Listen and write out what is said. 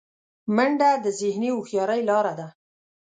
منډه د ذهني هوښیارۍ لاره ده